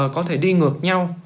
có thể đi ngược nhau